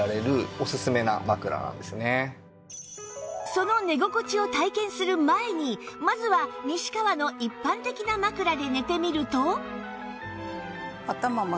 その寝心地を体験する前にまずは西川の一般的な枕で寝てみると